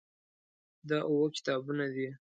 دا اووه کتابونه دي.